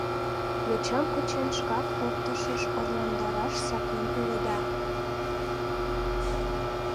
Йочам кучен, шкак оптышыш орландараш сакен улыда!..